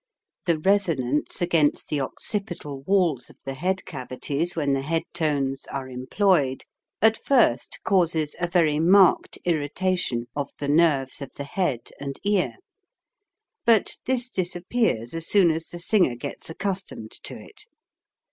The resonance against the occipital walls of the head cavities when the head tones are employed, at first causes a very marked irritation of the nerves of the head and ear. But this dis appears as soon as the singer gets accus tomed to it.